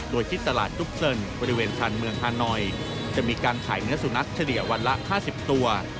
โดยที่ตลาดจุ๊กเซินบริเวณชาญเมืองฮานอยจะมีการขายเนื้อสุนัขเฉลี่ยวันละ๕๐ตัว